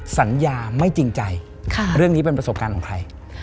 สัญญาไม่จริงใจเรื่องนี้เป็นประสบการณ์ของใคร